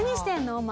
お前。